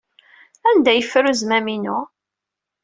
Anda ay yeffer azmam-inu?